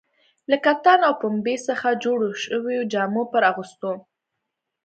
له کتان او پنبې څخه جوړو شویو جامو پر اغوستو.